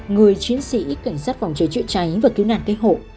người chiến sĩ cảnh sát phòng cháy chữa cháy và cứu nạn cây hộ